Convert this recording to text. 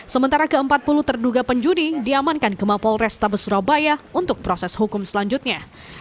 sementara keempat puluh terduga penjudi diamankan ke mapol restab surabaya untuk proses hukum selanjutnya